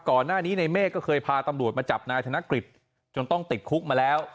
ก่อนหน้านี้ในเมฆก็เคยพาตำรวจมาจับนายธนกฤษจนต้องติดคุกมาแล้ว